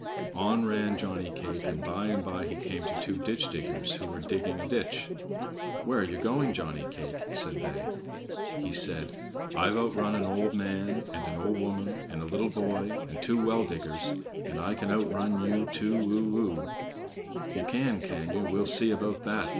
On ran Johnny cake, and by and by he came to two ditch diggers who were digging a ditch. "Where ye going, Johnny cake?" said they. He said: "I've outrun an old man, and an old woman, and a little boy, and two well diggers, and I can outrun you too o o!" "Ye can, can ye? We'll see about that!"